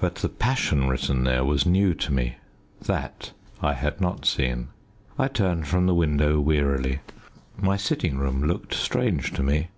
But the passion written there was new to me. That I had not seen. I turned from the window wearily. My sitting room looked strange to me.